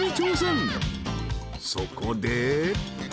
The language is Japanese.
［そこで］